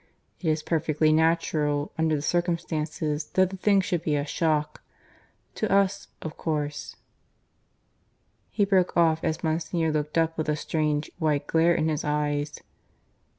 "It is perfectly natural, under the circumstances, that the thing should be a shock. To us, of course " He broke off as Monsignor looked up with a strange white glare in his eyes.